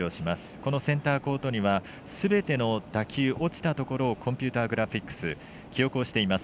このセンターコートにはすべての打球、落ちたところをコンピューターグラフィックス記録をしています。